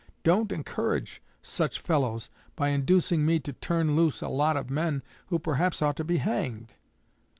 Don't encourage such fellows by inducing me to turn loose a lot of men who perhaps ought to be hanged.'